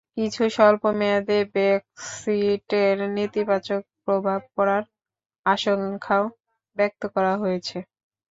কিন্তু স্বল্প মেয়াদে ব্রেক্সিটের নেতিবাচক প্রভাব পড়ার আশঙ্কাও ব্যক্ত করা হয়েছে।